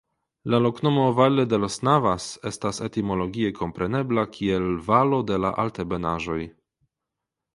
La loknomo "Valle de las Navas" estas etimologie komprenebla kiel "Valo de la Altebenaĵoj".